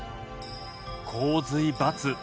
「洪水×」。